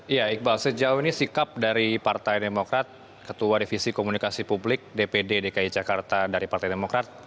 ya iqbal sejauh ini sikap dari partai demokrat ketua divisi komunikasi publik dpd dki jakarta dari partai demokrat